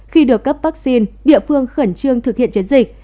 khi được cấp vaccine địa phương khẩn trương thực hiện chiến dịch